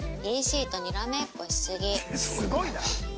すごいな。